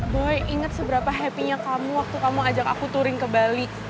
boy inget seberapa happy nya kamu waktu kamu ajak aku touring ke bali